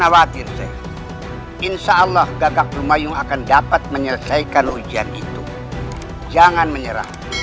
khawatir sheikh insyaallah gagak lumayung akan dapat menyelesaikan ujian itu jangan menyerah